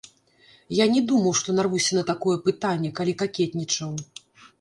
Я не думаў, што нарвуся на такое пытанне, калі какетнічаў.